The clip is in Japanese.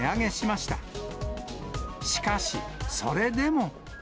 しかし、それでも。